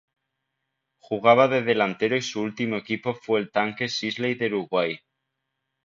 Jugaba de delantero y su último equipo fue el Tanque Sisley de Uruguay.